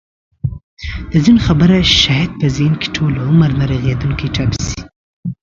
د ځینو خبره شاید په ذهن کې ټوله عمر نه رغېدونکی ټپ شي.